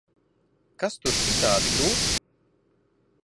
Kas tur citādi grūts?